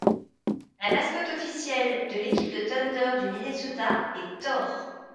La mascotte officiel de l'équipe de Thunder du Minnesota est Thor.